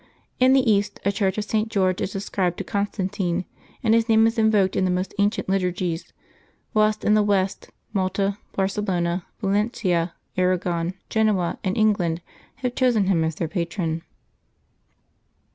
In the East, a church of St. George is ascribed to Constantine, and his name is invoked in the most ancient liturgies; whilst in the West, Malta, Barcelona, Valencia, Arragon, Genoa, and England have chosen him as their patron.